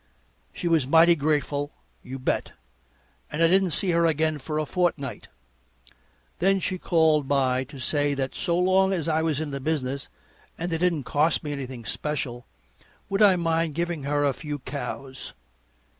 She was mighty grateful, you bet, and I didn't see her again for a fortnight. Then she called by to say that so long as I was in the business and they didn't cost me anything special, would I mind giving her a few cows.